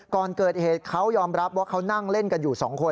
ก่อนเกิดเหตุเขายอมรับว่าเขานั่งเล่นกันอยู่๒คน